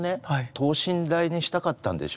等身大にしたかったんでしょうね。